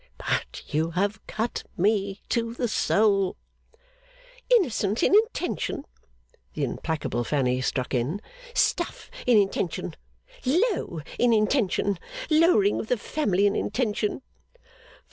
But you have cut me to the soul.' 'Innocent in intention!' the implacable Fanny struck in. 'Stuff in intention! Low in intention! Lowering of the family in intention!